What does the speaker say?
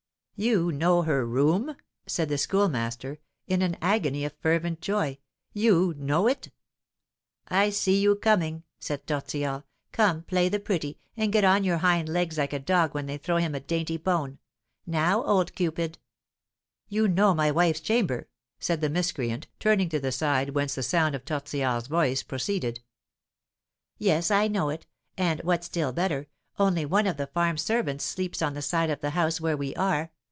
"You know her room?" said the Schoolmaster, in an agony of fervent joy; "you know it?" "I see you coming," said Tortillard; "come, play the pretty, and get on your hind legs like a dog when they throw him a dainty bone. Now, old Cupid!" "You know my wife's chamber?" said the miscreant, turning to the side whence the sound of Tortillard's voice proceeded. "Yes, I know it; and, what's still better, only one of the farm servants sleeps on the side of the house where we are.